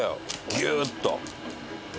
ギューッと。